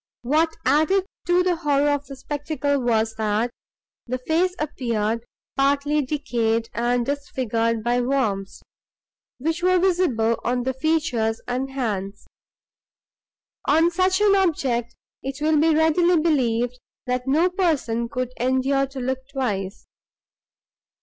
What added to the horror of the spectacle, was, that the face appeared partly decayed and disfigured by worms, which were visible on the features and hands. On such an object, it will be readily believed, that no person could endure to look twice.